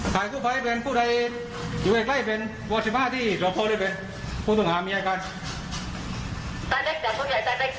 ใครคุณภัยเป็นผู้ใดอยู่ใกล้เป็นหัวสิบห้าที่พูดถึงหามีอย่างไรกัน